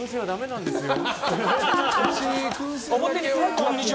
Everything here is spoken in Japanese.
こんにちは。